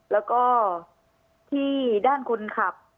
แล้วก็ที่ด้านคนขับ